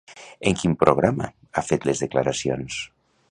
En quin programa ha fet les declaracions?